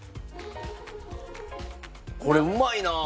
これうまいなあ。